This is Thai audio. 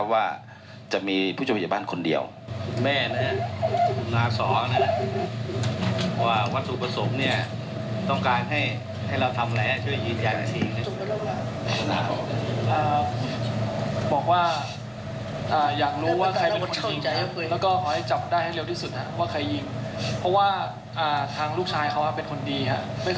ว่าจะมีผู้จับวิทยาลัยบ้านคนเดียว